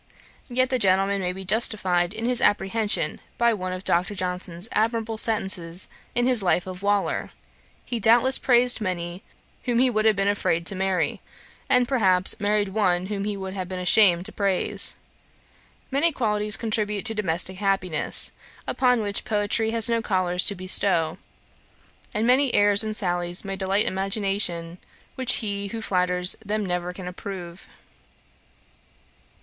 Yet the gentleman may be justified in his apprehension by one of Dr. Johnson's admirable sentences in his life of Waller: 'He doubtless praised many whom he would have been afraid to marry; and, perhaps, married one whom he would have been ashamed to praise. Many qualities contribute to domestic happiness, upon which poetry has no colours to bestow; and many airs and sallies may delight imagination, which he who flatters them never can approve.'